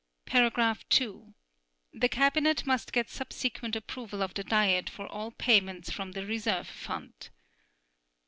(2) The Cabinet must get subsequent approval of the Diet for all payments from the reserve fund.